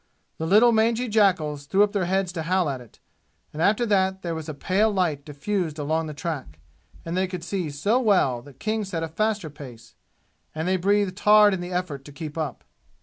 The little mangy jackals threw up their heads to howl at it; and after that there was pale light diffused along the track, and they could see so well that King set a faster pace, and they breathed hard in the effort to keep up.